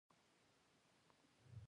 زه د سهار پر مهال تر ټولو ښه احساس لرم.